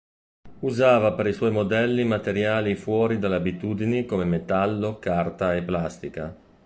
Usava per i suoi modelli materiali fuori dalle abitudini come metallo, carta e plastica.